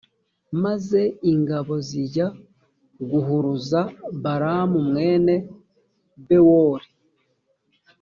mazeingabo zijya guhuruza balamu mwene bewori.